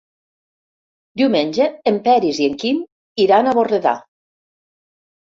Diumenge en Peris i en Quim iran a Borredà.